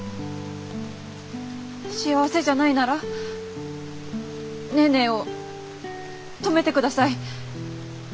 幸せじゃないならネーネーを止めてください。